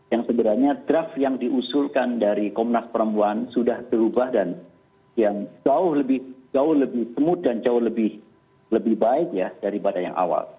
yang sebenarnya draft yang diusulkan dari komnas perempuan sudah berubah dan yang jauh lebih smooth dan jauh lebih baik ya daripada yang awal